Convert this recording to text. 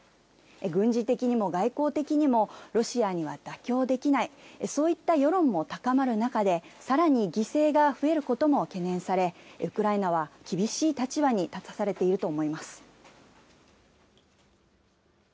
軍事的にも外交的にも、ロシアには妥協できない、そういった世論も高まる中で、さらに犠牲が増えることも懸念され、ウクライナは厳しい立場に立たされていると思います。